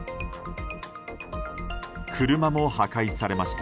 車も破壊されました。